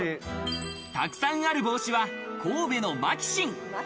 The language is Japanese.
たくさんある帽子は、神戸のマキシン。